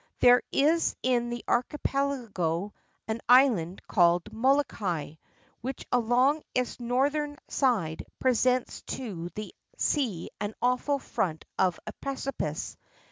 There is in the archipelago an island called Molokai, which along its northern side presents to the sea an awful front of precipice.